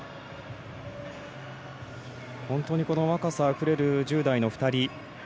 この若さあふれる１０代の２人。